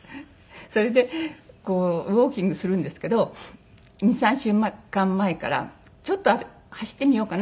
それでこうウォーキングするんですけど２３週間前からちょっと走ってみようかなと思って。